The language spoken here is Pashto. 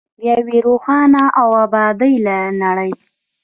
د یوې روښانه او ابادې نړۍ.